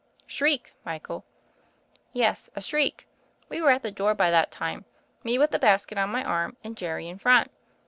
"Shriek, Michael." "Yes — a shriek. We were at the door by that time — me, with the basket on my arm, and Jerry in front.